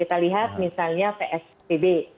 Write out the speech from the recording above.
kita lihat misalnya psbb